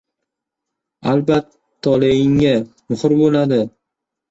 Albat toleingga muhr bo‘ladi